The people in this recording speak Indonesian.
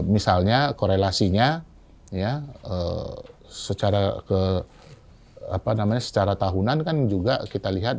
misalnya korelasinya ya secara tahunan kan juga kita lihat